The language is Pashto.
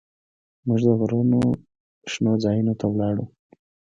موږ د غرونو شنو ځايونو ته ولاړو.